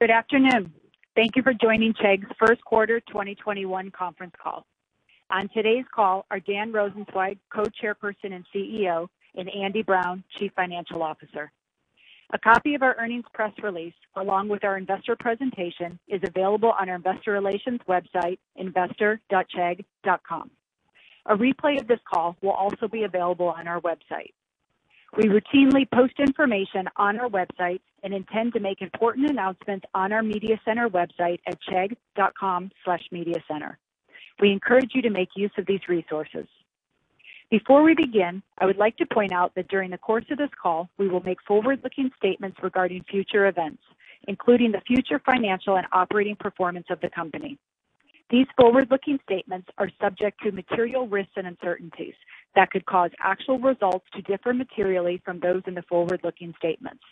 Good afternoon. Thank you for joining Chegg's first quarter 2021 conference call. On today's call are Dan Rosensweig, Co-Chairperson and CEO, and Andy Brown, CFO. A copy of our earnings press release, along with our investor presentation, is available on our investor relations website, investor.chegg.com. A replay of this call will also be available on our website. We routinely post information on our website and intend to make important announcements on our media center website at chegg.com/mediacenter. We encourage you to make use of these resources. Before we begin, I would like to point out that during the course of this call, we will make forward-looking statements regarding future events, including the future financial and operating performance of the company. These forward-looking statements are subject to material risks and uncertainties that could cause actual results to differ materially from those in the forward-looking statements.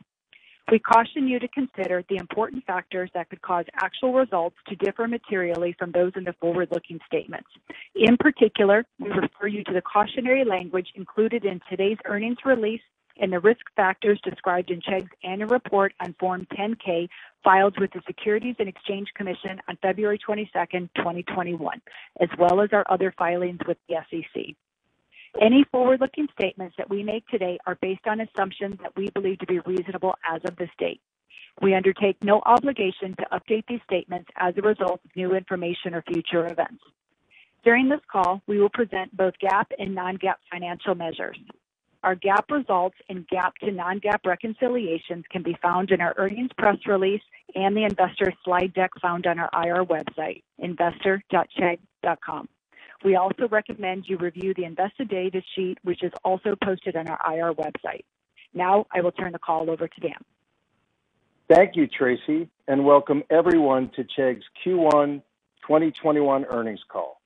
We caution you to consider the important factors that could cause actual results to differ materially from those in the forward-looking statements. In particular, we refer you to the cautionary language included in today's earnings release and the risk factors described in Chegg's annual report on Form 10-K, filed with the Securities and Exchange Commission on February 22nd, 2021, as well as our other filings with the SEC. Any forward-looking statements that we make today are based on assumptions that we believe to be reasonable as of this date. We undertake no obligation to update these statements as a result of new information or future events. During this call, we will present both GAAP and non-GAAP financial measures. Our GAAP results and GAAP to non-GAAP reconciliations can be found in our earnings press release and the investor slide deck found on our IR website, investor.chegg.com. We also recommend you review the investor data sheet, which is also posted on our IR website. Now, I will turn the call over to Dan. Thank you, Tracey, welcome everyone to Chegg's Q1 2021 earnings call.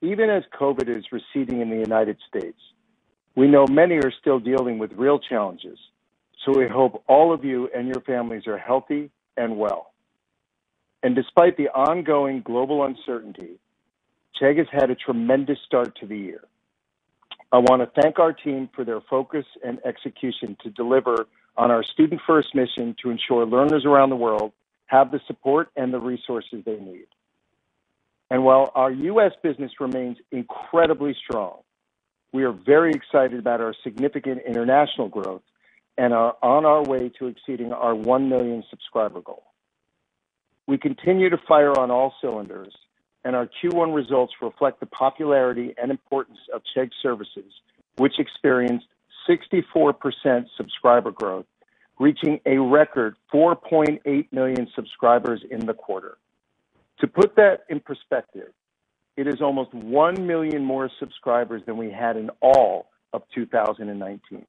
Even as COVID is receding in the United States, we know many are still dealing with real challenges, we hope all of you and your families are healthy and well. Despite the ongoing global uncertainty, Chegg has had a tremendous start to the year. I want to thank our team for their focus and execution to deliver on our student-first mission to ensure learners around the world have the support and the resources they need. While our U.S. business remains incredibly strong, we are very excited about our significant international growth and are on our way to exceeding our 1 million subscriber goal. We continue to fire on all cylinders, Our Q1 results reflect the popularity and importance of Chegg Services, which experienced 64% subscriber growth, reaching a record 4.8 million subscribers in the quarter. To put that in perspective, it is almost one million more subscribers than we had in all of 2019.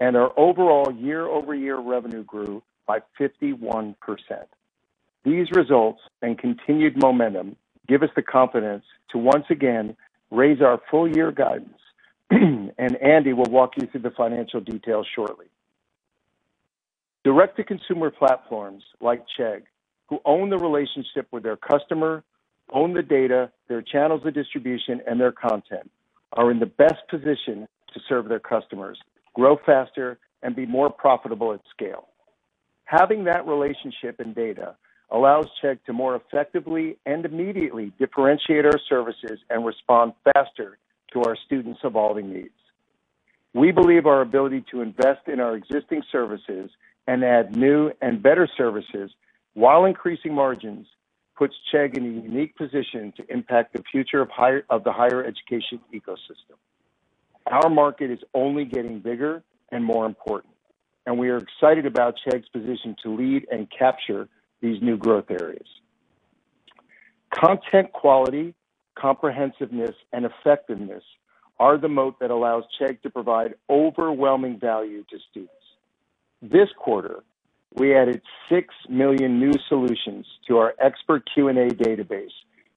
Our overall year-over-year revenue grew by 51%. These results and continued momentum give us the confidence to once again raise our full-year guidance, and Andy will walk you through the financial details shortly. Direct-to-consumer platforms like Chegg, who own the relationship with their customer, own the data, their channels of distribution, and their content, are in the best position to serve their customers, grow faster, and be more profitable at scale. Having that relationship and data allows Chegg to more effectively and immediately differentiate our services and respond faster to our students' evolving needs. We believe our ability to invest in our existing services and add new and better services while increasing margins puts Chegg in a unique position to impact the future of the higher education ecosystem. Our market is only getting bigger and more important, we are excited about Chegg's position to lead and capture these new growth areas. Content quality, comprehensiveness, and effectiveness are the moat that allows Chegg to provide overwhelming value to students. This quarter, we added 6 million new solutions to our expert Q&A database,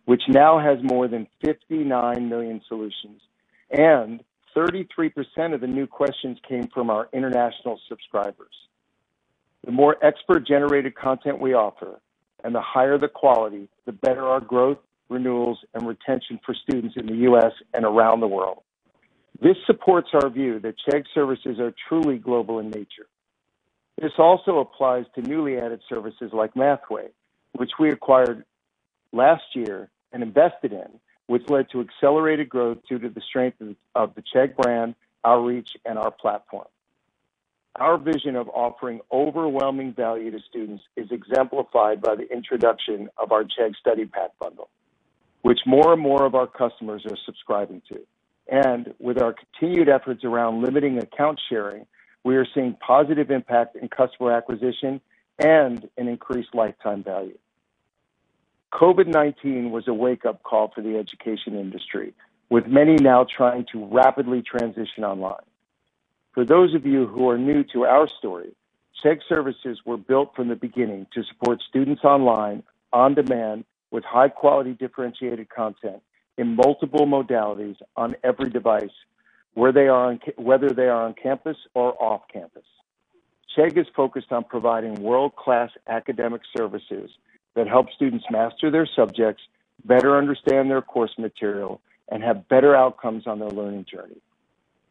which now has more than 59 million solutions, and 33% of the new questions came from our international subscribers. The more expert-generated content we offer and the higher the quality, the better our growth, renewals, and retention for students in the U.S. and around the world. This supports our view that Chegg Services are truly global in nature. This also applies to newly added services like Mathway, which we acquired last year and invested in, which led to accelerated growth due to the strength of the Chegg brand, outreach, and our platform. Our vision of offering overwhelming value to students is exemplified by the introduction of our Chegg Study Pack bundle, which more and more of our customers are subscribing to. With our continued efforts around limiting account sharing, we are seeing positive impact in customer acquisition and an increased lifetime value. COVID-19 was a wake-up call for the education industry, with many now trying to rapidly transition online. For those of you who are new to our story, Chegg Services were built from the beginning to support students online, on-demand, with high-quality differentiated content in multiple modalities on every device, whether they are on campus or off campus. Chegg is focused on providing world-class academic services that help students master their subjects, better understand their course material, and have better outcomes on their learning journey.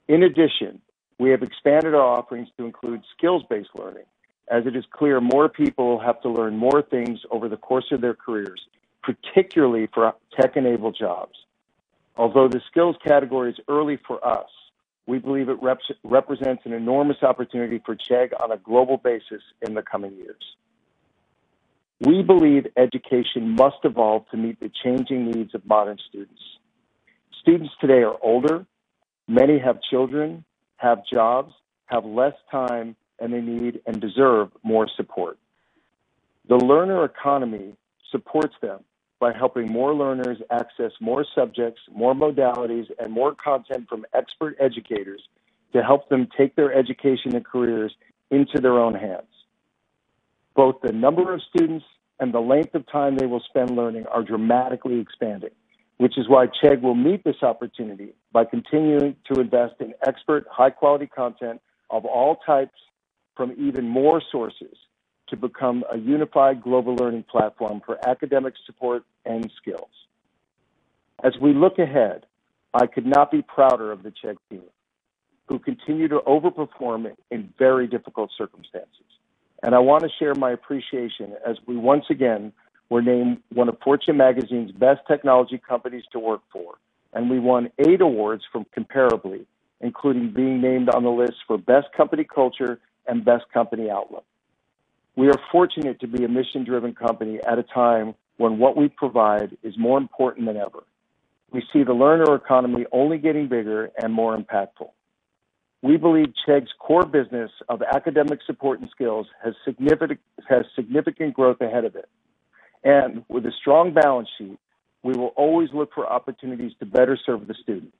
In addition, we have expanded our offerings to include skills-based learning, as it is clear more people have to learn more things over the course of their careers, particularly for tech-enabled jobs. Although the skills category is early for us, we believe it represents an enormous opportunity for Chegg on a global basis in the coming years. We believe education must evolve to meet the changing needs of modern students. Students today are older, many have children, have jobs, have less time, and they need and deserve more support. The learner economy supports them by helping more learners access more subjects, more modalities, and more content from expert educators to help them take their education and careers into their own hands. Both the number of students and the length of time they will spend learning are dramatically expanding, which is why Chegg will meet this opportunity by continuing to invest in expert, high-quality content of all types from even more sources to become a unified global learning platform for academic support and skills. As we look ahead, I could not be prouder of the Chegg team, who continue to over-perform in very difficult circumstances. I want to share my appreciation as we once again were named one of Fortune Magazine's Best Technology Companies to Work For, and we won eight awards from Comparably, including being named on the list for Best Company Culture and Best Company Outlook. We are fortunate to be a mission-driven company at a time when what we provide is more important than ever. We see the learner economy only getting bigger and more impactful. We believe Chegg's core business of academic support and skills has significant growth ahead of it. With a strong balance sheet, we will always look for opportunities to better serve the student.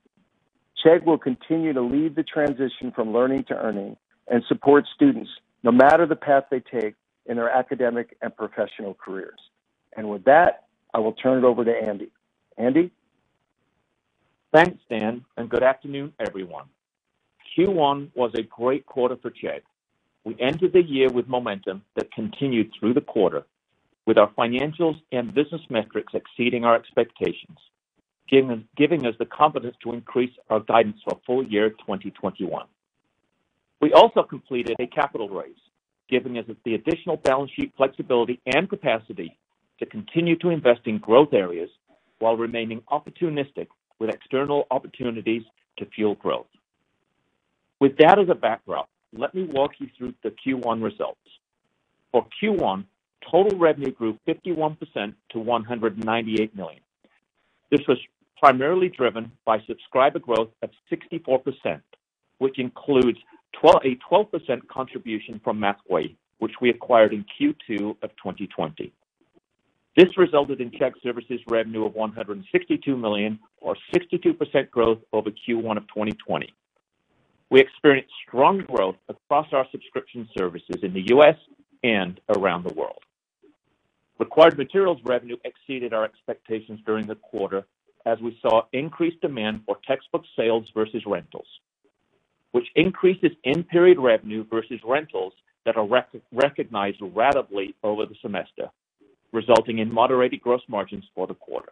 Chegg will continue to lead the transition from learning to earning and support students no matter the path they take in their academic and professional careers. With that, I will turn it over to Andy. Andy? Thanks, Dan, good afternoon, everyone. Q1 was a great quarter for Chegg. We ended the year with momentum that continued through the quarter, with our financials and business metrics exceeding our expectations, giving us the confidence to increase our guidance for full year 2021. We also completed a capital raise, giving us the additional balance sheet flexibility and capacity to continue to invest in growth areas while remaining opportunistic with external opportunities to fuel growth. With that as a backdrop, let me walk you through the Q1 results. For Q1, total revenue grew 51% to $198 million. This was primarily driven by subscriber growth of 64%, which includes a 12% contribution from Mathway, which we acquired in Q2 of 2020. This resulted in Chegg Services revenue of $162 million or 62% growth over Q1 of 2020. We experienced strong growth across our subscription services in the U.S. and around the world. Required Materials revenue exceeded our expectations during the quarter as we saw increased demand for textbook sales versus rentals, which increases in-period revenue versus rentals that are recognized ratably over the semester, resulting in moderated gross margins for the quarter.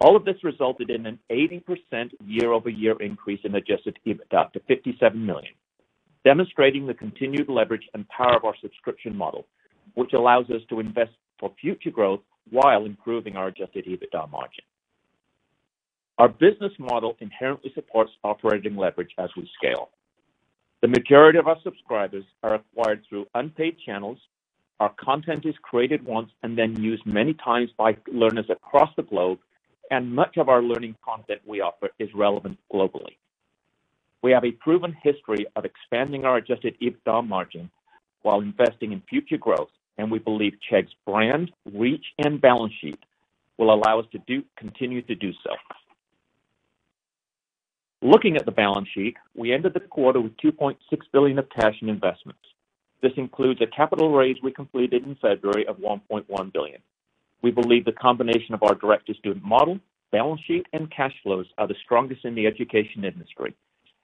All of this resulted in an 80% year-over-year increase in adjusted EBITDA to $57 million, demonstrating the continued leverage and power of our subscription model, which allows us to invest for future growth while improving our adjusted EBITDA margin. Our business model inherently supports operating leverage as we scale. The majority of our subscribers are acquired through unpaid channels. Our content is created once and then used many times by learners across the globe, and much of our learning content we offer is relevant globally. We have a proven history of expanding our adjusted EBITDA margin while investing in future growth. We believe Chegg's brand, reach, and balance sheet will allow us to continue to do so. Looking at the balance sheet, we ended the quarter with $2.6 billion of cash and investments. This includes a capital raise we completed in February of $1.1 billion. We believe the combination of our direct-to-student model, balance sheet, and cash flows are the strongest in the education industry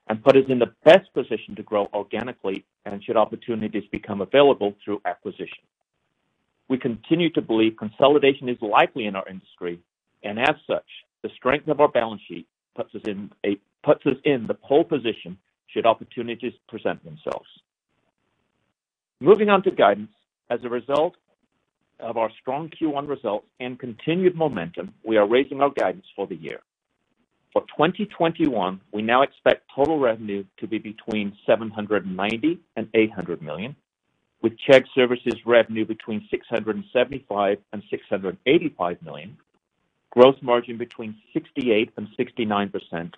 and put us in the best position to grow organically and should opportunities become available through acquisition. We continue to believe consolidation is likely in our industry. As such, the strength of our balance sheet puts us in the pole position should opportunities present themselves. Moving on to guidance. As a result of our strong Q1 results and continued momentum, we are raising our guidance for the year. For 2021, we now expect total revenue to be between $790 million and $800 million, with Chegg Services revenue between $675 and 685 million, gross margin between 68% and 69%,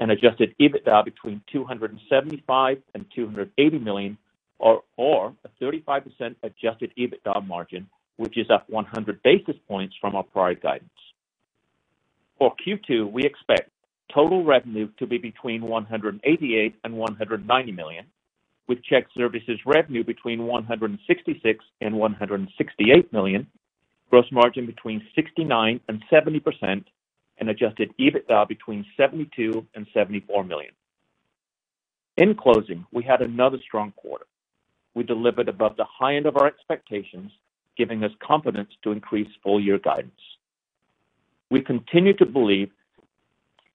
and adjusted EBITDA between $275 and 280 million or a 35% adjusted EBITDA margin, which is up 100 basis points from our prior guidance. For Q2, we expect total revenue to be between $188 and 190 million, with Chegg Services revenue between $166 and 168 million, gross margin between 69% and 70%, and adjusted EBITDA between $72 and 74 million. In closing, we had another strong quarter. We delivered above the high end of our expectations, giving us confidence to increase full year guidance. We continue to believe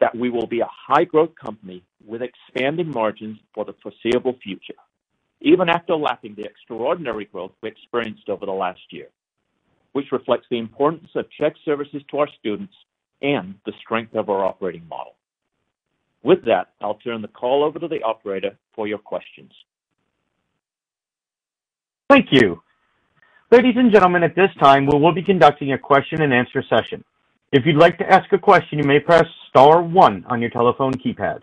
that we will be a high growth company with expanding margins for the foreseeable future, even after lacking the extraordinary growth we experienced over the last year, which reflects the importance of Chegg Services to our students and the strength of our operating model. With that, I'll turn the call over to the operator for your questions. Thank you. Ladies and gentlemen, at this time, we will be conducting a question and answer session. If you'd like to ask a question, you may press star one on your telephone keypad.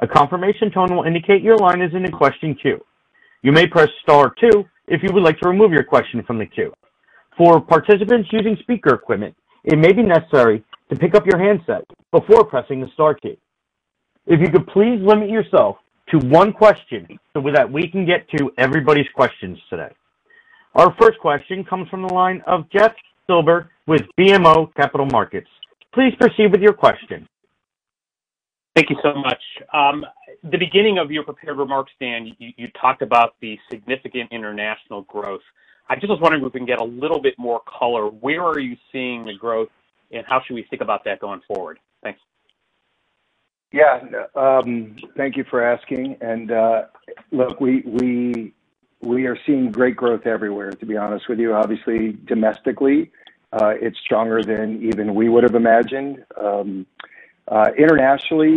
A confirmation tone will indicate your line is in a question queue. You may press star two if you would like to remove your question from the queue. For participants using speaker equipment, it may be necessary to pick up your handset before pressing the star key. If you could please limit yourself to one question so that we can get to everybody's questions today. Our first question comes from the line of Jeff Silber with BMO Capital Markets. Please proceed with your question. Thank you so much. The beginning of your prepared remarks, Dan, you talked about the significant international growth. I just was wondering if we can get a little bit more color. Where are you seeing the growth, and how should we think about that going forward? Thanks. Yeah. Thank you for asking. Look, we are seeing great growth everywhere, to be honest with you. Obviously, domestically, it's stronger than even we would've imagined. Internationally,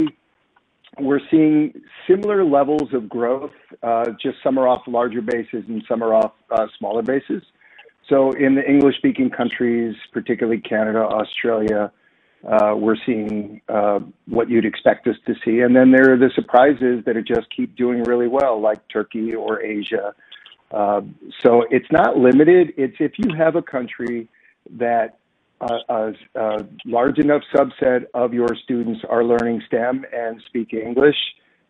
we're seeing similar levels of growth, just some are off larger bases and some are off smaller bases. In the English-speaking countries, particularly Canada, Australia, we're seeing what you'd expect us to see. There are the surprises that just keep doing really well, like Turkey or Asia. It's not limited. It's if you have a country that a large enough subset of your students are learning STEM and speak English,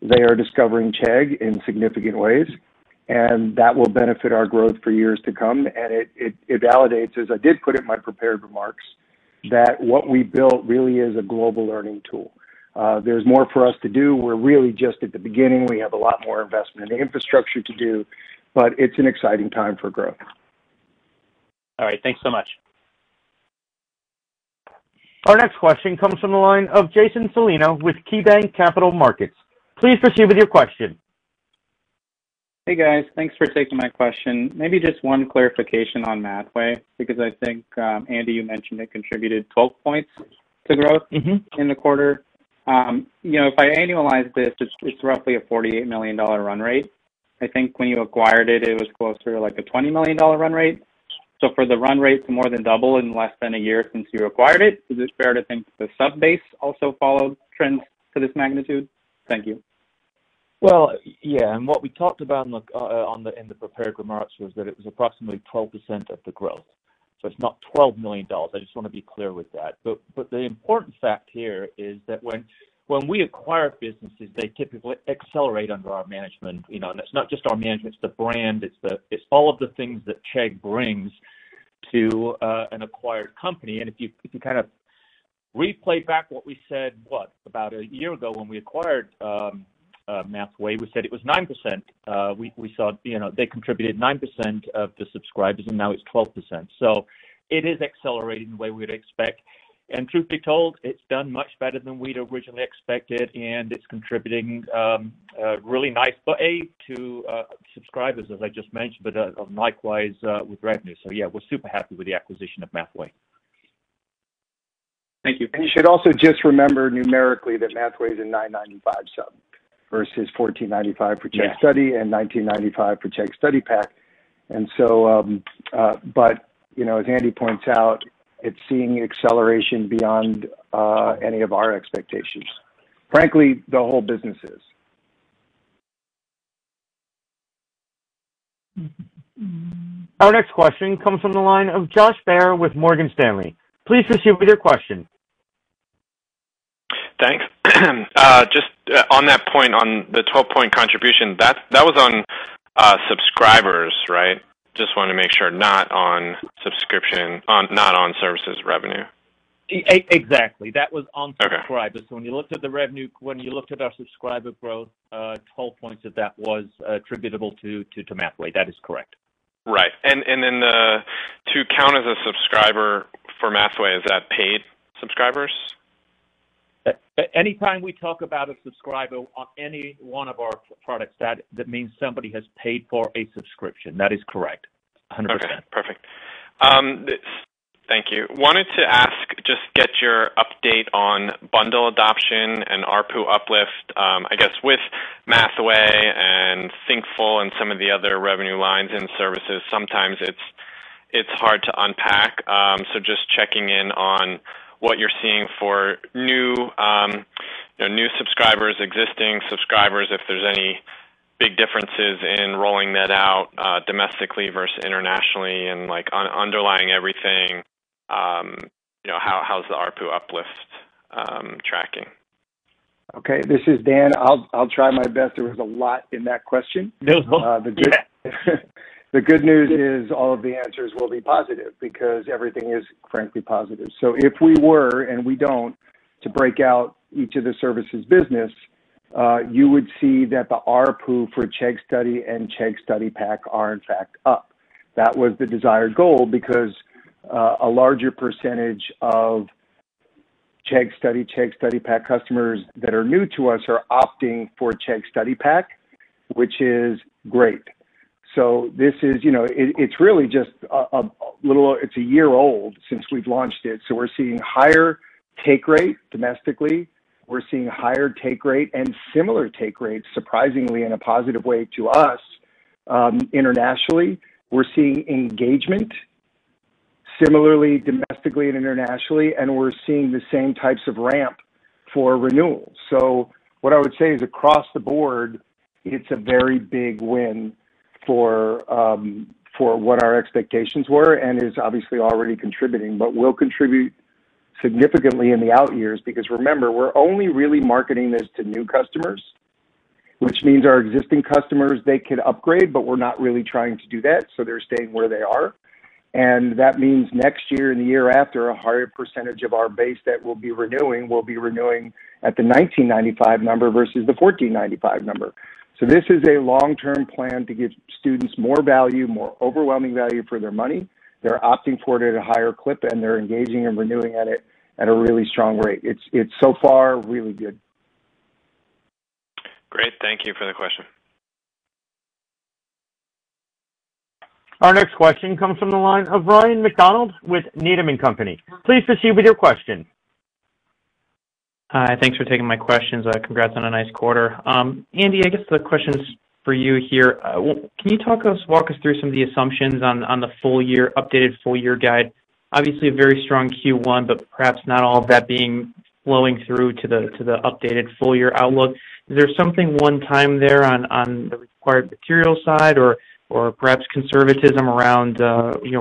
they are discovering Chegg in significant ways, and that will benefit our growth for years to come. It validates, as I did put in my prepared remarks, that what we built really is a global learning tool. There's more for us to do. We're really just at the beginning. We have a lot more investment in the infrastructure to do, but it's an exciting time for growth. All right. Thanks so much. Our next question comes from the line of Jason Celino with KeyBanc Capital Markets. Please proceed with your question. Hey, guys. Thanks for taking my question. Maybe just one clarification on Mathway, because I think, Andy, you mentioned it contributed 12 points to growth- in the quarter. If I annualize this, it's roughly a $48 million run rate. I think when you acquired it was closer to like a $20 million run rate. For the run rate to more than double in less than a year since you acquired it, is it fair to think the sub base also followed trends to this magnitude? Thank you. Well, yeah. What we talked about in the prepared remarks was that it was approximately 12% of the growth. It's not $12 million. I just want to be clear with that. The important fact here is that when we acquire businesses, they typically accelerate under our management. It's not just our management, it's the brand, it's all of the things that Chegg brings to an acquired company. If you kind of replay back what we said, what, about a year ago when we acquired Mathway, we said it was nine percent. We saw they contributed nine percent of the subscribers, and now it's 12%. It is accelerating the way we'd expect. Truth be told, it's done much better than we'd originally expected, and it's contributing really nice, A, to subscribers, as I just mentioned, but likewise, with revenue. Yeah, we're super happy with the acquisition of Mathway. Thank you. You should also just remember numerically that Mathway is a $9.95 sub versus $14.95 for Chegg Study and $19.95 for Chegg Study Pack. As Andy points out, it's seeing acceleration beyond any of our expectations. Frankly, the whole business is. Our next question comes from the line of Josh Baer with Morgan Stanley. Please proceed with your question. Thanks. Just on that point, on the 12-point contribution, that was on subscribers, right? Just want to make sure, not on services revenue. Exactly. That was on subscribers. Okay. When you looked at our subscriber growth, 12 points of that was attributable to Mathway. That is correct. Right. To count as a subscriber for Mathway, is that paid subscribers? Anytime we talk about a subscriber on any one of our products, that means somebody has paid for a subscription. That is correct, 100%. Okay. Perfect. Thank you. Wanted to ask, just to get your update on bundle adoption and ARPU uplift. I guess with Mathway and Thinkful and some of the other revenue lines in services, sometimes it's hard to unpack. Just checking in on what you're seeing for new subscribers, existing subscribers, if there's any big differences in rolling that out, domestically versus internationally and underlying everything, how's the ARPU uplift tracking? This is Dan. I'll try my best. There was a lot in that question. No, go for it. The good news is all of the answers will be positive because everything is frankly positive. If we were, and we don't, to break out each of the services business, you would see that the ARPU for Chegg Study and Chegg Study Pack are in fact up. That was the desired goal because a larger percentage of Chegg Study/Chegg Study Pack customers that are new to us are opting for Chegg Study Pack, which is great. It's really just a year old since we've launched it. We're seeing higher take rate domestically. We're seeing higher take rate and similar take rates, surprisingly, in a positive way to us, internationally. We're seeing engagement similarly, domestically and internationally, and we're seeing the same types of ramp for renewal. What I would say is across the board, it's a very big win for what our expectations were, and is obviously already contributing, but will contribute significantly in the out years. Remember, we're only really marketing this to new customers, which means our existing customers, they could upgrade, but we're not really trying to do that, so they're staying where they are. That means next year and the year after, a higher percentage of our base that we'll be renewing will be renewing at the $19.95 number versus the $14.95 number. This is a long-term plan to give students more value, more overwhelming value for their money. They're opting for it at a higher clip, and they're engaging and renewing at it at a really strong rate. It's so far really good. Great. Thank you for the question. Our next question comes from the line of Ryan MacDonald with Needham & Company. Please proceed with your question. Hi. Thanks for taking my questions. Congrats on a nice quarter. Andy, I guess the question is for you here. Can you walk us through some of the assumptions on the updated full-year guide? Obviously a very strong Q1, but perhaps not all of that flowing through to the updated full-year outlook. Is there something one time there on the Required Materials side or perhaps conservatism around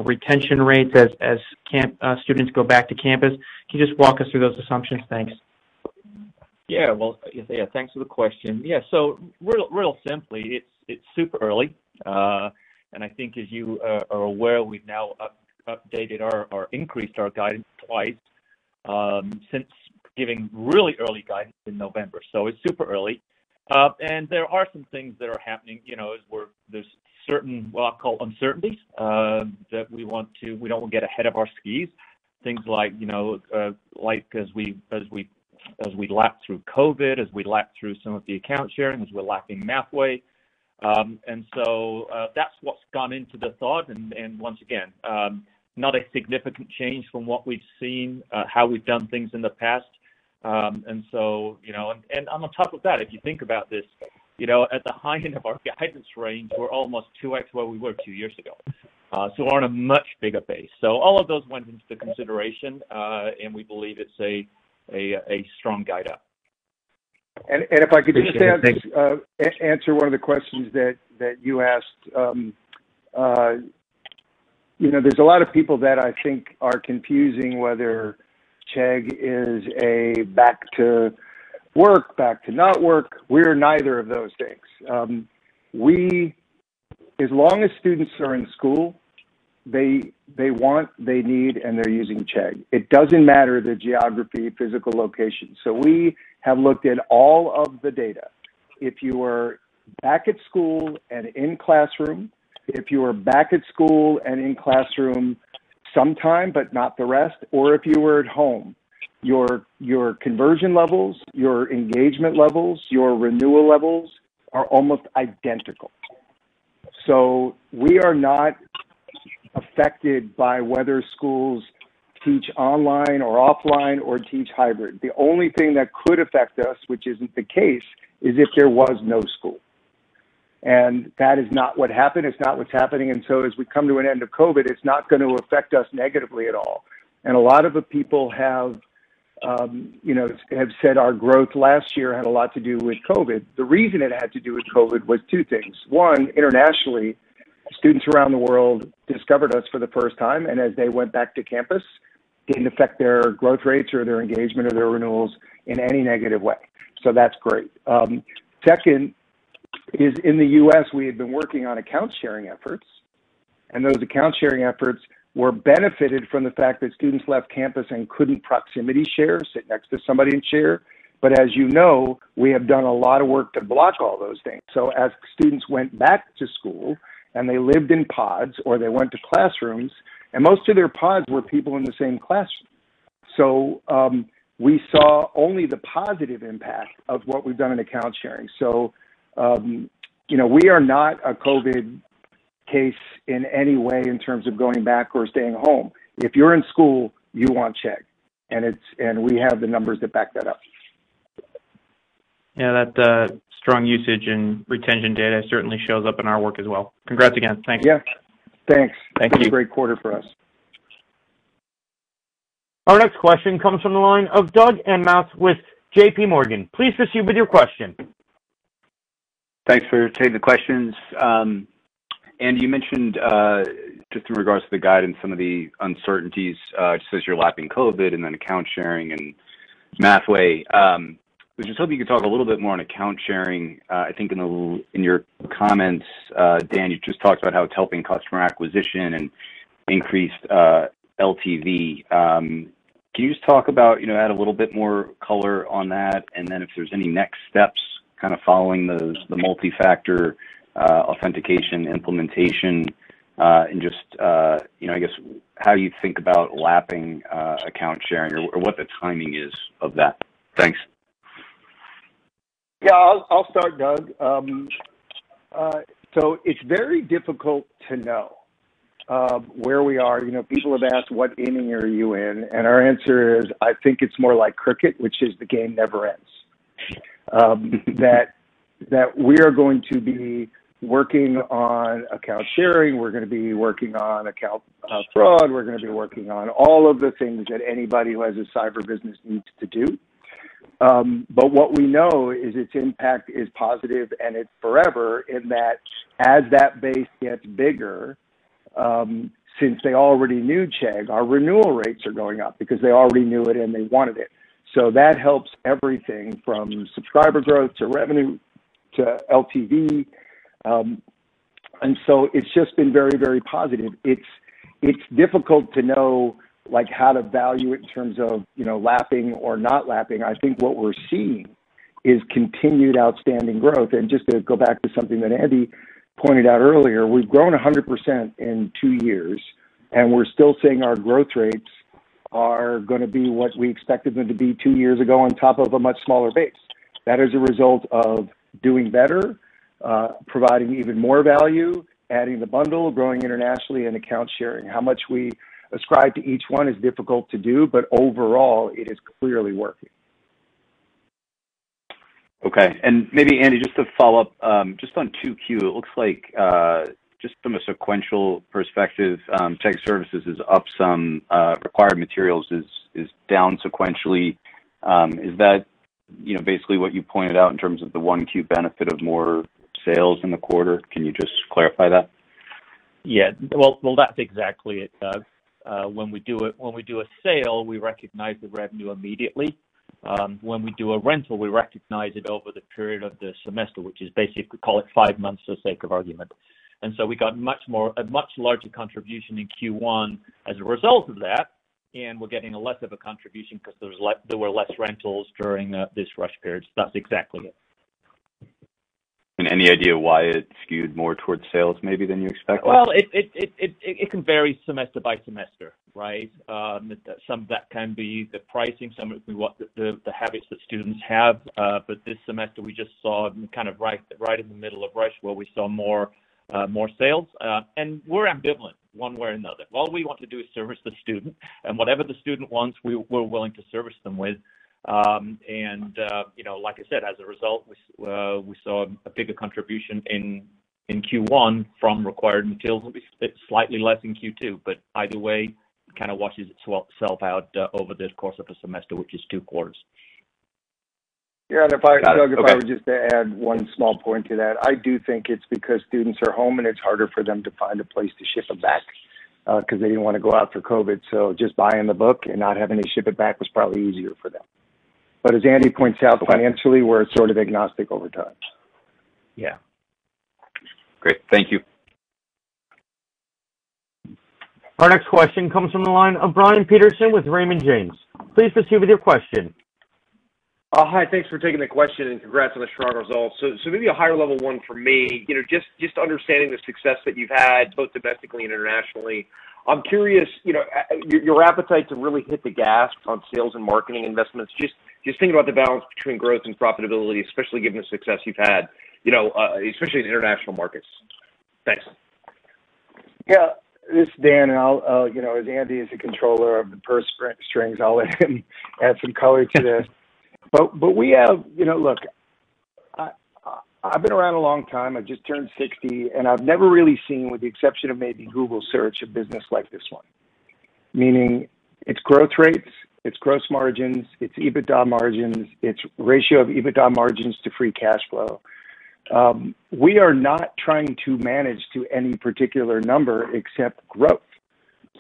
retention rates as students go back to campus? Can you just walk us through those assumptions? Thanks. Well, thanks for the question. Real simply, it's super early. I think as you are aware, we've now increased our guidance twice since giving really early guidance in November. It's super early. There are some things that are happening, there's certain, what I'll call uncertainties, that we don't want to get ahead of our skis. Things like as we lap through COVID, as we lap through some of the account sharing, as we're lapping Mathway. That's what's gone into the thought and, once again, not a significant change from what we've seen, how we've done things in the past. On top of that, if you think about this, at the high end of our guidance range, we're almost 2x where we were two years ago, so on a much bigger base. All of those went into consideration. We believe it's a strong guide up. If I could. Appreciate it. Thanks answer one of the questions that you asked. There's a lot of people that I think are confusing whether Chegg is a back to work, back to not work. We're neither of those things. As long as students are in school, they want, they need, and they're using Chegg. It doesn't matter the geography, physical location. We have looked at all of the data. If you are back at school and in classroom, if you are back at school and in classroom sometime, but not the rest, or if you were at home, your conversion levels, your engagement levels, your renewal levels are almost identical. We are not affected by whether schools teach online or offline or teach hybrid. The only thing that could affect us, which isn't the case, is if there was no school. That is not what happened. It's not what's happening. As we come to an end of COVID, it's not going to affect us negatively at all. A lot of the people have said our growth last year had a lot to do with COVID. The reason it had to do with COVID was two things. One, internationally, students around the world discovered us for the first time, and as they went back to campus, didn't affect their growth rates or their engagement or their renewals in any negative way. That's great. Second is in the U.S., we had been working on account sharing efforts, and those account sharing efforts were benefited from the fact that students left campus and couldn't proximity share, sit next to somebody and share. As you know, we have done a lot of work to block all those things. As students went back to school, they lived in pods or they went to classrooms. Most of their pods were people in the same classroom. We saw only the positive impact of what we've done in account sharing. We are not a COVID case in any way in terms of going back or staying home. If you're in school, you want Chegg. We have the numbers that back that up. Yeah, that strong usage and retention data certainly shows up in our work as well. Congrats again. Thank you. Yeah. Thanks. Thank you. It's a great quarter for us. Our next question comes from the line of Doug Anmuth with JP Morgan. Please proceed with your question. Thanks for taking the questions. Andy, you mentioned, just in regards to the guidance, some of the uncertainties, just as you're lapping COVID and then account sharing and Mathway. I was just hoping you could talk a little bit more on account sharing. I think in your comments, Dan, you just talked about how it's helping customer acquisition and increased LTV. Can you add a little bit more color on that, and then if there's any next steps following the multi-factor authentication implementation, and just, I guess, how you think about lapping account sharing or what the timing is of that? Thanks. Yeah. I'll start, Doug. It's very difficult to know where we are. People have asked, "What inning are you in?" Our answer is, I think it's more like cricket, which is the game never ends. We are going to be working on account sharing, we're going to be working on account fraud, we're going to be working on all of the things that anybody who has a cyber business needs to do. What we know is its impact is positive and it's forever in that as that base gets bigger, since they already knew Chegg, our renewal rates are going up because they already knew it and they wanted it. That helps everything from subscriber growth to revenue to LTV. It's just been very positive. It's difficult to know how to value it in terms of lapping or not lapping. I think what we're seeing is continued outstanding growth. Just to go back to something that Andy pointed out earlier, we've grown 100% in two years, and we're still seeing our growth rates are going to be what we expected them to be two years ago on top of a much smaller base. That is a result of doing better, providing even more value, adding the bundle, growing internationally, and account sharing. How much we ascribe to each one is difficult to do, but overall, it is clearly working. Okay. Maybe Andy, just to follow up, just on 2Q, it looks like, just from a sequential perspective, Chegg Services is up some, Required Materials is down sequentially. Is that basically what you pointed out in terms of the 1Q benefit of more sales in the quarter? Can you just clarify that? Well, that's exactly it, Doug Anmuth. When we do a sale, we recognize the revenue immediately. When we do a rental, we recognize it over the period of the semester, which is basically, if we call it five months for the sake of argument. We got a much larger contribution in Q1 as a result of that, and we're getting less of a contribution because there were less rentals during this rush period, so that's exactly it. Any idea why it skewed more towards sales, maybe, than you expect? Well, it can vary semester by semester, right? Some of that can be the pricing, some of it can be the habits that students have. This semester, we just saw kind of right in the middle of rush where we saw more sales. We're ambivalent one way or another. All we want to do is service the student, and whatever the student wants, we're willing to service them with. Like I said, as a result, we saw a bigger contribution in Q1 from Required Materials. It'll be slightly less in Q2, but either way, it kind of washes itself out over the course of a semester, which is two quarters. Got it. Okay. Yeah, Doug, if I would just add one small point to that. I do think it's because students are home and it's harder for them to find a place to ship them back, because they didn't want to go out for COVID. Just buying the book and not having to ship it back was probably easier for them. As Andy points out, financially, we're sort of agnostic over time. Yeah. Great. Thank you. Our next question comes from the line of Brian Peterson with Raymond James. Please proceed with your question. Hi, thanks for taking the question, and congrats on the strong results. Maybe a higher level one for me. Just understanding the success that you've had, both domestically and internationally, I'm curious, your appetite to really hit the gas on sales and marketing investments. Just thinking about the balance between growth and profitability, especially given the success you've had, especially in international markets. Thanks. Yeah. This is Dan. As Andy is the controller of the purse strings, I'll add some color to this. Look, I've been around a long time. I just turned 60. I've never really seen, with the exception of maybe Google Search, a business like this one. Meaning its growth rates, its gross margins, its EBITDA margins, its ratio of EBITDA margins to free cash flow. We are not trying to manage to any particular number except growth.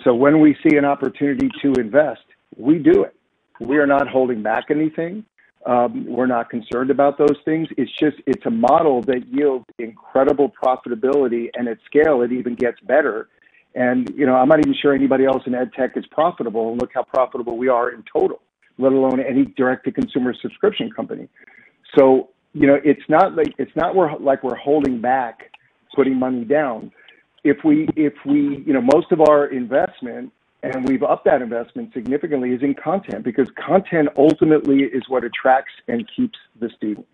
When we see an opportunity to invest, we do it. We are not holding back anything. We're not concerned about those things. It's a model that yields incredible profitability. At scale, it even gets better. I'm not even sure anybody else in ed tech is profitable. Look how profitable we are in total, let alone any direct-to-consumer subscription company. It's not like we're holding back putting money down. Most of our investment, and we've upped that investment significantly, is in content, because content ultimately is what attracts and keeps the student.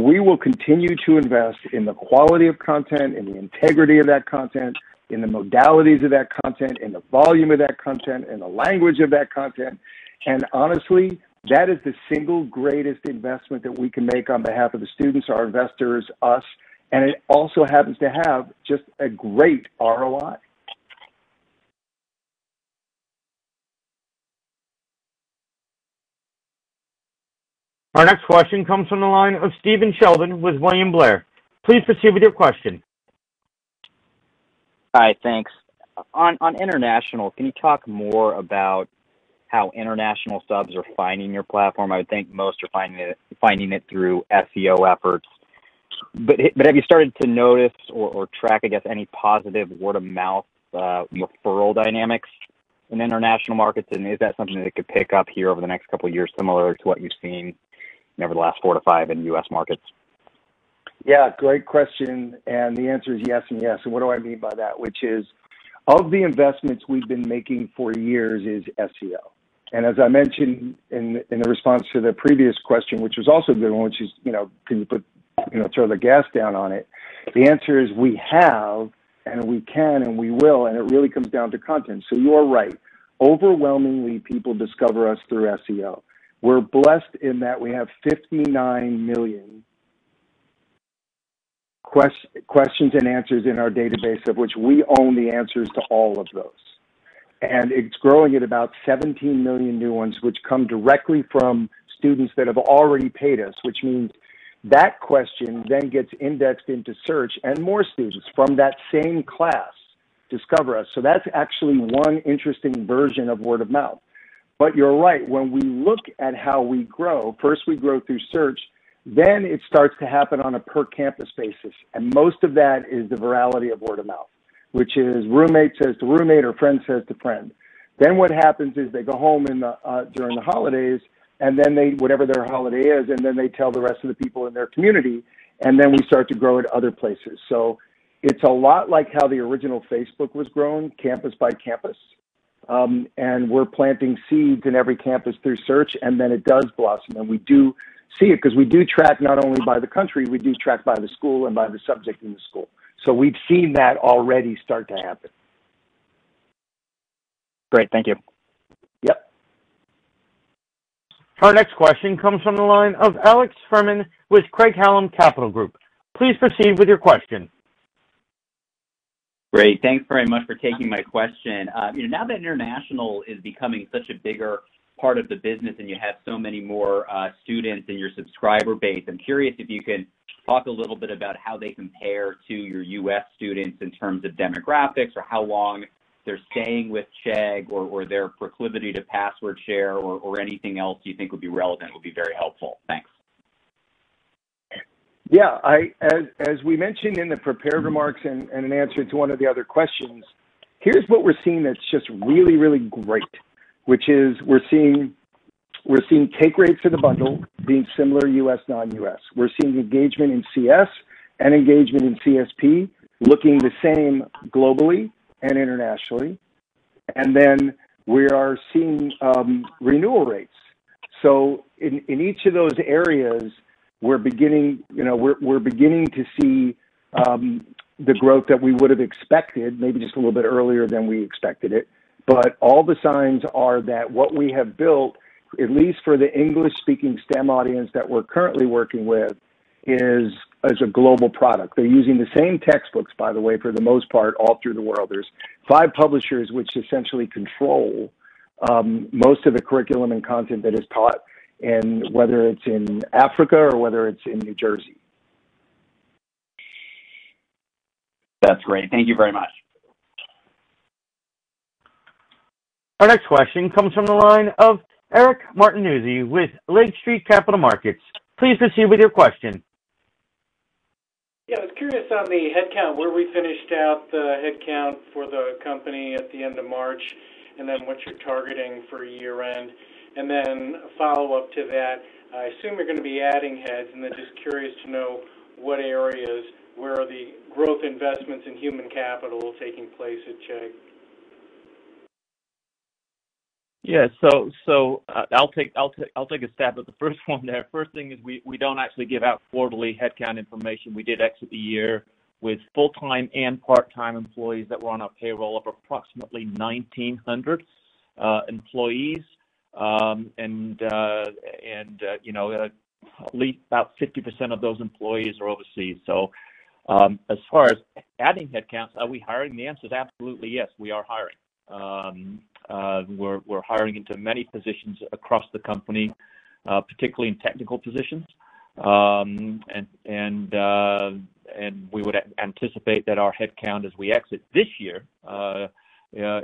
We will continue to invest in the quality of content, in the integrity of that content, in the modalities of that content, in the volume of that content, in the language of that content. Honestly, that is the single greatest investment that we can make on behalf of the students, our investors, us, and it also happens to have just a great ROI. Our next question comes from the line of Stephen Sheldon with William Blair. Please proceed with your question. Hi, thanks. On international, can you talk more about how international subs are finding your platform? I would think most are finding it through SEO efforts. Have you started to notice or track, I guess, any positive word-of-mouth referral dynamics in international markets? Is that something that could pick up here over the next couple of years, similar to what you've seen over the last four to five in U.S. markets? Yeah. Great question, the answer is yes and yes. What do I mean by that? Which is, all of the investments we've been making for years is SEO. As I mentioned in the response to the previous question, which was also a good one, which is, can you throw the gas down on it? The answer is we have, we can, we will, and it really comes down to content. You are right. Overwhelmingly, people discover us through SEO. We're blessed in that we have 59 million questions and answers in our database, of which we own the answers to all of those. It's growing at about 17 million new ones, which come directly from students that have already paid us, which means that question then gets indexed into search, more students from that same class discover us. That's actually one interesting version of word of mouth. You're right. When we look at how we grow, first, we grow through search, then it starts to happen on a per-campus basis, and most of that is the virality of word of mouth, which is roommate says to roommate or friend says to friend. What happens is they go home during the holidays, whatever their holiday is, they tell the rest of the people in their community, we start to grow at other places. It's a lot like how the original Facebook was grown, campus by campus. We're planting seeds in every campus through search, it does blossom. We do see it because we do track not only by the country, we do track by the school and by the subject in the school. We've seen that already start to happen. Great. Thank you. Yep. Our next question comes from the line of Alex Fuhrman with Craig-Hallum Capital Group. Please proceed with your question. Great. Thanks very much for taking my question. Now that international is becoming such a bigger part of the business and you have so many more students in your subscriber base, I'm curious if you can talk a little bit about how they compare to your U.S. students in terms of demographics or how long they're staying with Chegg or their proclivity to password share or anything else you think would be relevant would be very helpful. Thanks. Yeah. As we mentioned in the prepared remarks and in answer to one of the other questions, here's what we're seeing that's just really, really great, which is we're seeing take rates for the bundle being similar U.S., non-U.S. We're seeing engagement in CS and engagement in CSP looking the same globally and internationally. We are seeing renewal rates. In each of those areas, we're beginning to see the growth that we would have expected, maybe just a little bit earlier than we expected it. All the signs are that what we have built, at least for the English-speaking STEM audience that we're currently working with, is as a global product. They're using the same textbooks, by the way, for the most part, all through the world. There's five publishers which essentially control most of the curriculum and content that is taught, and whether it's in Africa or whether it's in New Jersey. That's great. Thank you very much. Our next question comes from the line of Eric Martinuzzi with Lake Street Capital Markets. Please proceed with your question. Yeah. I was curious on the headcount, where we finished out the headcount for the company at the end of March, and then what you're targeting for year-end. A follow-up to that, I assume you're going to be adding heads, and then just curious to know what areas, where are the growth investments in human capital taking place at Chegg? Yeah. I'll take a stab at the first one there. First thing is we don't actually give out quarterly headcount information. We did exit the year with full-time and part-time employees that were on our payroll of approximately 1,900 employees. At least about 50% of those employees are overseas. As far as adding headcounts, are we hiring? The answer is absolutely yes. We are hiring. We're hiring into many positions across the company, particularly in technical positions. We would anticipate that our headcount as we exit this year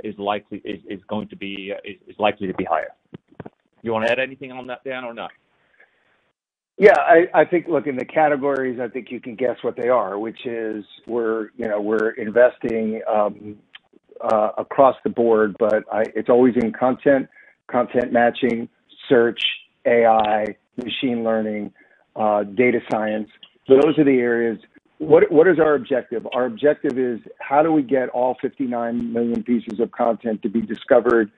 is likely to be higher. You want to add anything on that, Dan, or no? Yeah, I think, look, in the categories, I think you can guess what they are, which is we're investing across the board, but it's always in content matching, search, AI, machine learning, data science. Those are the areas. What is our objective? Our objective is how do we get all 59 million pieces of content to be discovered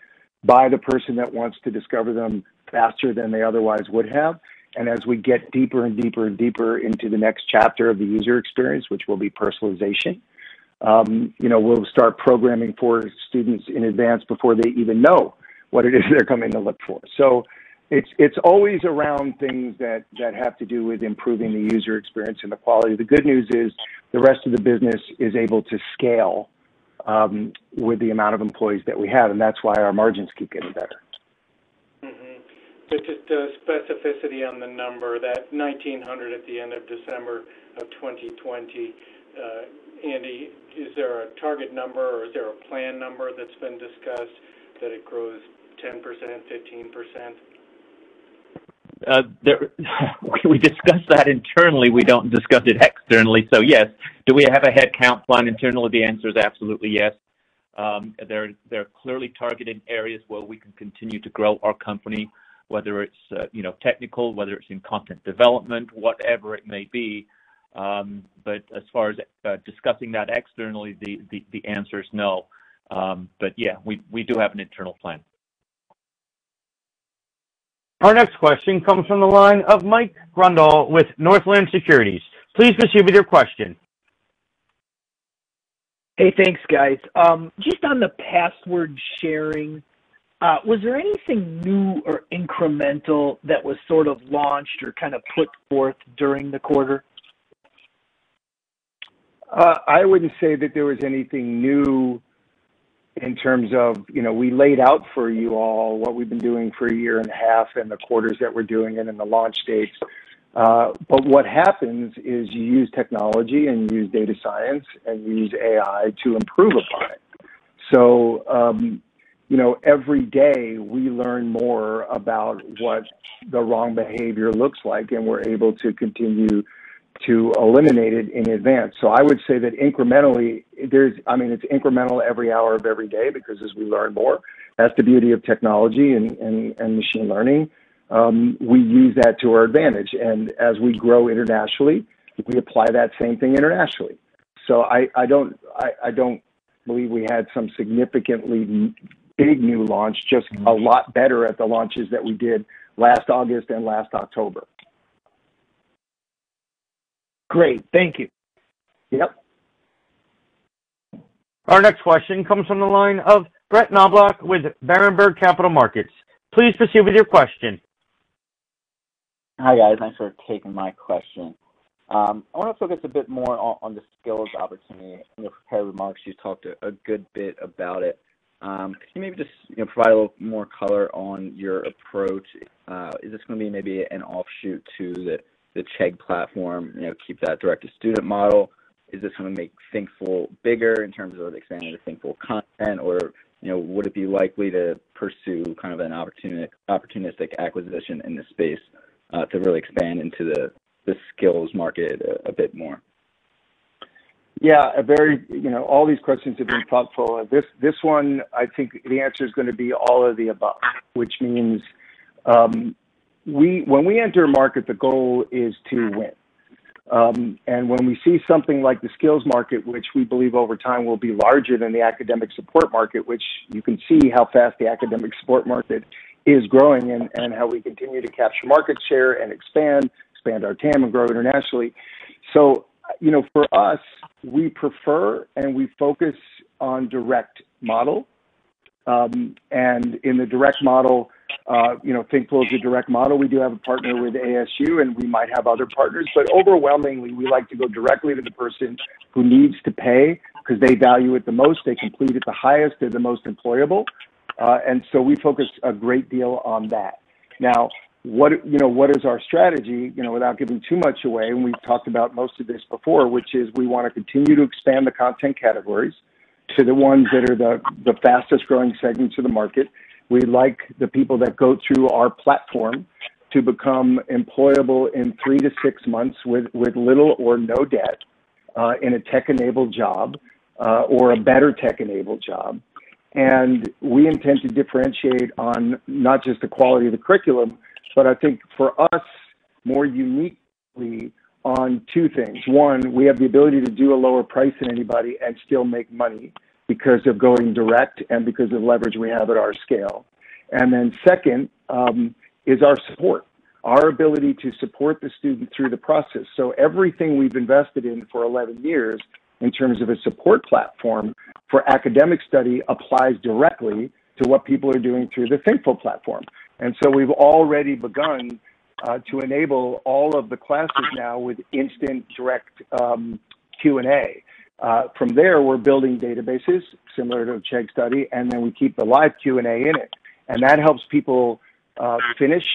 by the person that wants to discover them faster than they otherwise would have. As we get deeper and deeper and deeper into the next chapter of the user experience, which will be personalization, we'll start programming for students in advance before they even know what it is they're coming to look for. It's always around things that have to do with improving the user experience and the quality. The good news is the rest of the business is able to scale with the amount of employees that we have, and that's why our margins keep getting better. Just the specificity on the number, that 1,900 at the end of December of 2020. Andy, is there a target number or is there a plan number that's been discussed that it grows 10%, 15%? We discuss that internally. We don't discuss it externally. Yes. Do we have a headcount plan internally? The answer is absolutely yes. There are clearly targeted areas where we can continue to grow our company, whether it's technical, whether it's in content development, whatever it may be. As far as discussing that externally, the answer is no. Yeah, we do have an internal plan. Our next question comes from the line of Mike Grondahl with Northland Securities. Please proceed with your question. Hey, thanks guys. Just on the password sharing, was there anything new or incremental that was sort of launched or kind of put forth during the quarter? I wouldn't say that there was anything new. We laid out for you all what we've been doing for a year and a half and the quarters that we're doing it and the launch dates. What happens is you use technology and you use data science, and you use AI to improve upon it. Every day we learn more about what the wrong behavior looks like, and we're able to continue to eliminate it in advance. I would say that incrementally it's incremental every hour of every day because as we learn more, that's the beauty of technology and machine learning. We use that to our advantage. As we grow internationally, we apply that same thing internationally. I don't believe we had some significantly big new launch, just a lot better at the launches that we did last August and last October. Great. Thank you. Yep. Our next question comes from the line of Brett Knoblauch with Berenberg Capital Markets. Please proceed with your question. Hi, guys. Thanks for taking my question. I want to focus a bit more on the skills opportunity. In the prepared remarks, you talked a good bit about it. Can you maybe just provide a little more color on your approach? Is this going to be maybe an offshoot to the Chegg platform, keep that direct-to-student model? Is this going to make Thinkful bigger in terms of expanding the Thinkful content? Would it be likely to pursue kind of an opportunistic acquisition in the space, to really expand into the skills market a bit more? Yeah. All these questions have been thoughtful. This one, I think the answer is going to be all of the above, which means when we enter a market, the goal is to win. When we see something like the skills market, which we believe over time will be larger than the academic support market, which you can see how fast the academic support market is growing and how we continue to capture market share and expand our TAM and grow internationally. For us, we prefer and we focus on direct model. In the direct model, Thinkful is a direct model. We do have a partner with ASU, and we might have other partners. Overwhelmingly, we like to go directly to the person who needs to pay because they value it the most, they complete it the highest, they're the most employable. We focus a great deal on that. What is our strategy? Without giving too much away, and we've talked about most of this before, which is we want to continue to expand the content categories to the ones that are the fastest-growing segments of the market. We like the people that go through our platform to become employable in three to six months with little or no debt, in a tech-enabled job, or a better tech-enabled job. We intend to differentiate on not just the quality of the curriculum, but I think for us, more uniquely on two things. One, we have the ability to do a lower price than anybody and still make money because of going direct and because of leverage we have at our scale. Second, is our support, our ability to support the student through the process. Everything we've invested in for 11 years in terms of a support platform for academic study applies directly to what people are doing through the Thinkful platform. We've already begun to enable all of the classes now with instant direct Q&A. From there, we're building databases similar to Chegg Study, and then we keep the live Q&A in it. That helps people finish,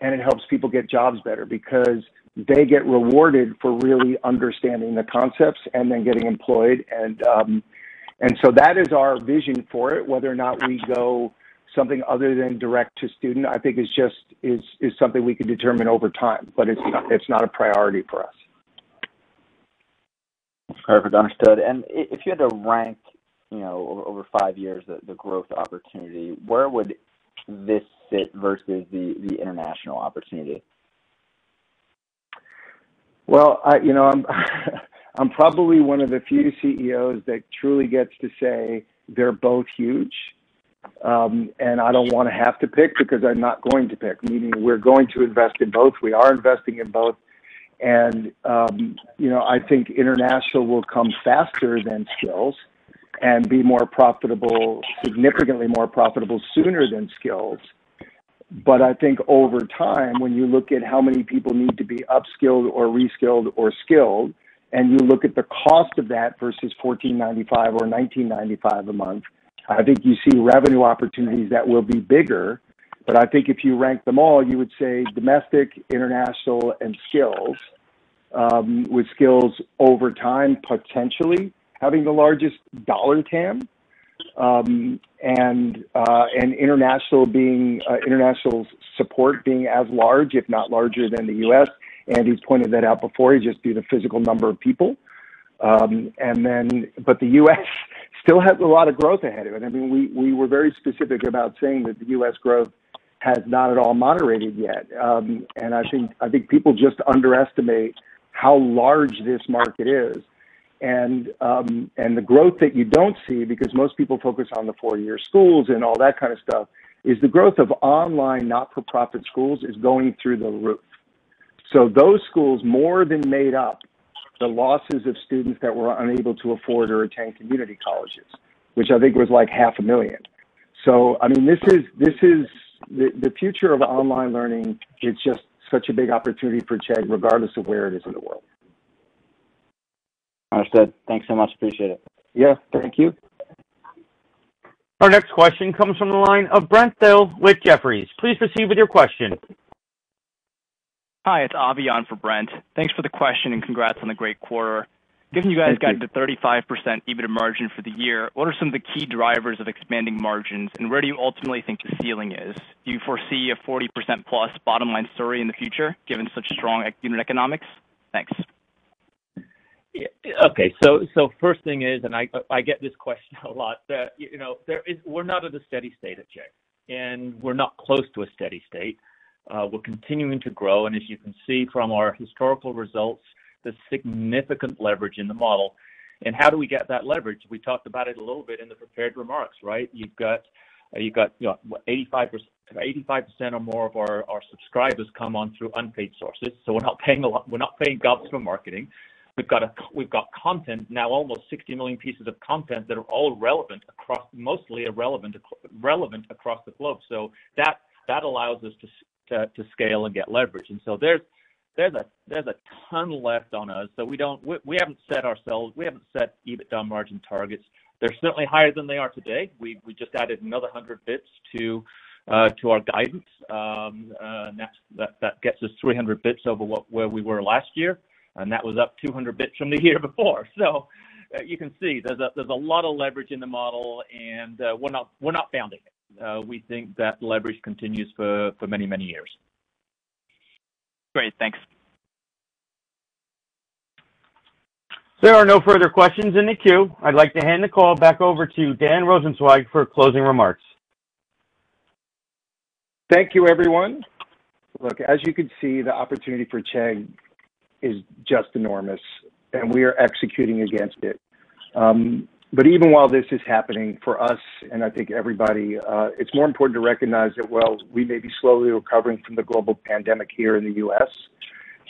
and it helps people get jobs better because they get rewarded for really understanding the concepts and then getting employed. That is our vision for it. Whether or not we go something other than direct to student, I think is something we can determine over time, but it's not a priority for us. Perfect. Understood. If you had to rank over five years the growth opportunity, where would this sit versus the international opportunity? Well, I'm probably one of the few CEOs that truly gets to say they're both huge. I don't want to have to pick because I'm not going to pick, meaning we're going to invest in both. We are investing in both. I think international will come faster than skills and be more profitable, significantly more profitable sooner than skills. I think over time, when you look at how many people need to be upskilled or reskilled or skilled, and you look at the cost of that versus $14.95 or $19.95 a month, I think you see revenue opportunities that will be bigger. I think if you rank them all, you would say domestic, international, and skills. With skills over time, potentially having the largest dollar TAM, and international support being as large, if not larger, than the U.S. Andy's pointed that out before, just due to physical number of people. The U.S. still has a lot of growth ahead of it. We were very specific about saying that the U.S. growth has not at all moderated yet. I think people just underestimate how large this market is. The growth that you don't see, because most people focus on the four-year schools and all that kind of stuff, is the growth of online not-for-profit schools is going through the roof. Those schools more than made up the losses of students that were unable to afford or attend community colleges, which I think was like half a million. The future of online learning is just such a big opportunity for Chegg, regardless of where it is in the world. Understood. Thanks so much. Appreciate it. Yeah, thank you. Our next question comes from the line of Brent Thill with Jefferies. Please proceed with your question. Hi, it's Avion for Brent. Thanks for the question, and congrats on the great quarter. Thank you. Given you guys got to 35% EBITDA margin for the year, what are some of the key drivers of expanding margins, and where do you ultimately think the ceiling is? Do you foresee a 40% plus bottom-line story in the future, given such strong unit economics? Thanks. Okay, first thing is, I get this question a lot. We're not at a steady state at Chegg, we're not close to a steady state. We're continuing to grow. As you can see from our historical results, there's significant leverage in the model. How do we get that leverage? We talked about it a little bit in the prepared remarks, right? You've got 85% or more of our subscribers come on through unpaid sources. We're not paying gobs for marketing. We've got content, now almost 60 million pieces of content, that are mostly relevant across the globe. That allows us to scale and get leverage. There's a ton left on us. We haven't set EBITDA margin targets. They're certainly higher than they are today. We just added another 100 basis points to our guidance. That gets us 300 basis points over where we were last year, and that was up 200 basis points from the year before. You can see, there's a lot of leverage in the model, and we're not funding it. We think that leverage continues for many, many years. Great. Thanks. There are no further questions in the queue. I'd like to hand the call back over to Dan Rosensweig for closing remarks. Thank you, everyone. As you can see, the opportunity for Chegg is just enormous, and we are executing against it. Even while this is happening for us, and I think everybody, it's more important to recognize that while we may be slowly recovering from the global pandemic here in the U.S.,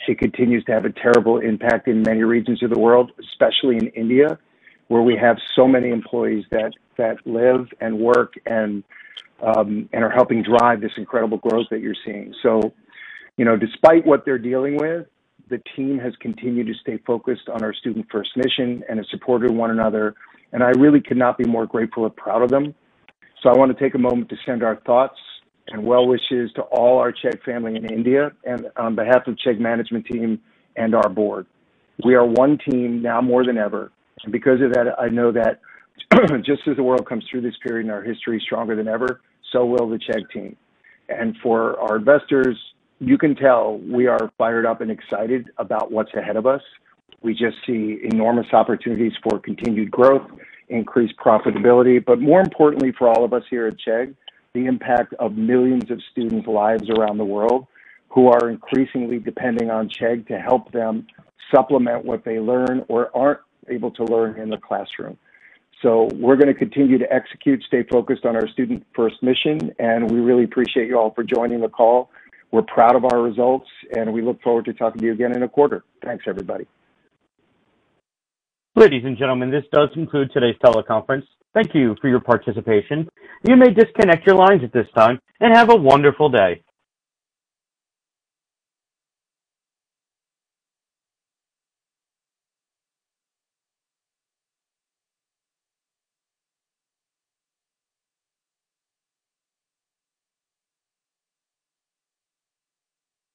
she continues to have a terrible impact in many regions of the world, especially in India, where we have so many employees that live and work and are helping drive this incredible growth that you're seeing. Despite what they're dealing with, the team has continued to stay focused on our student-first mission and has supported one another, and I really could not be more grateful or proud of them. I want to take a moment to send our thoughts and well wishes to all our Chegg family in India and on behalf of Chegg management team and our board. We are one team now more than ever. Because of that, I know that just as the world comes through this period in our history stronger than ever, so will the Chegg team. For our investors, you can tell we are fired up and excited about what's ahead of us. We just see enormous opportunities for continued growth, increased profitability, but more importantly for all of us here at Chegg, the impact of millions of students' lives around the world who are increasingly depending on Chegg to help them supplement what they learn or aren't able to learn in the classroom. We're going to continue to execute, stay focused on our student-first mission, and we really appreciate you all for joining the call. We're proud of our results, and we look forward to talking to you again in a quarter. Thanks, everybody. Ladies and gentlemen, this does conclude today's teleconference. Thank you for your participation. You may disconnect your lines at this time, and have a wonderful day.